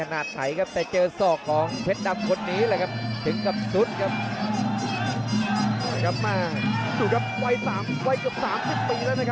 วัยเกือบ๓๐ปีแล้วนะครับสะดานเค้นดำ